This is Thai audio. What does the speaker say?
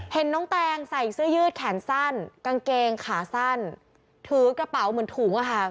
เห็นน้องแตงใส่เสื้อยืดแขนสั้นกางเกงขาสั้นถือกระเป๋าเหมือนถุงอะค่ะ